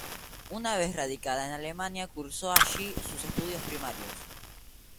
Una vez radicada en Alemania cursó allí sus estudios primarios.